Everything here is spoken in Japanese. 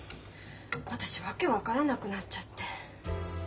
私訳分からなくなっちゃって。